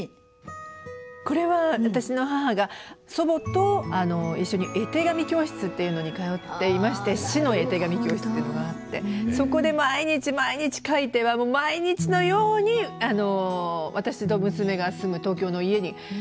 これは私の母が祖母と一緒に絵手紙教室っていうのに通っていまして市の絵手紙教室っていうのがあってそこで毎日毎日描いては毎日のように私と娘が住む東京の家に送られてきたんですよね。